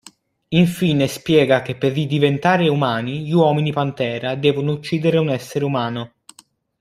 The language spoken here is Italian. Infine spiega che per ridiventare umani gli uomini-pantera devono uccidere un essere umano.